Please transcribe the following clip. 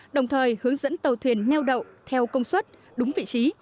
đồng thời hướng dẫn tàu thuyền neo đậu theo công suất đúng vị trí